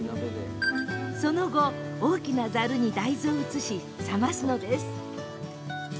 その後大きなざるに大豆を移し冷ますのです。